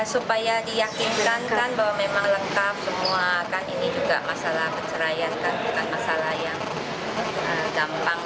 supaya diyakinkan bahwa memang lengkap semua ini juga masalah perceraian bukan masalah yang gampang